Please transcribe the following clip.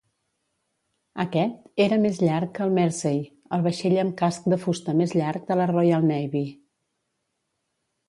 Aquest era més llarg que el "Mersey", el vaixell amb casc de fusta més llarg de la Royal Navy.